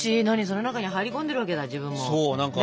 何それ中に入り込んでるわけだ自分も。